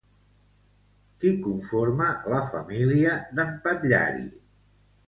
Qui conforma la família d'en Patllari?